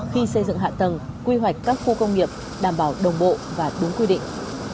khi xây dựng hạ tầng quy hoạch các khu công nghiệp đảm bảo đồng bộ và đúng quy định